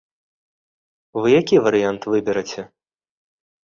Вы які варыянт выбераце?